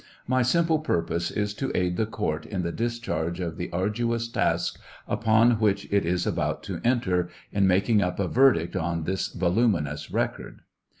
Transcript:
My simple purpose is to aid the court in the discharge of the arduous task upon which it is about to enter, in making up a verdict on this voluminous record.